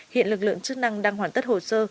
hiện lực lượng chức năng đang hoàn tất hồ sơ